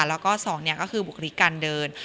แล้วก็สองนี้ก็คือบุกฤติการเดิน